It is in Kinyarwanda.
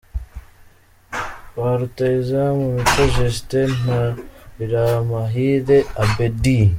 Ba rutahizamu: Mico Justin na Biramahire Abeddy.